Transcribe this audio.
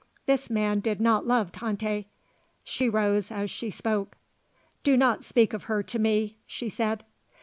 This man did not love Tante. She rose as she spoke. "Do not speak of her to me," she said.